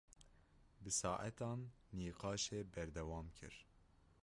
Bi saetan nîqaşê berdewam kir.